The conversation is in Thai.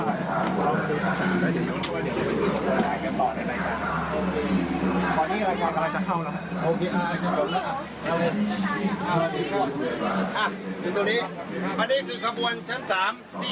อ้าวไปเลยลูกไป